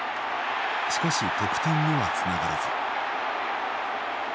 しかし得点にはつながらず。